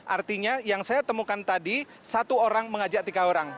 artinya yang saya temukan tadi satu orang mengajak tiga orang